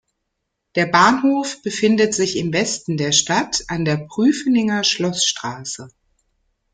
Der Bahnhof befindet sich im Westen der Stadt an der Prüfeninger Schloßstraße.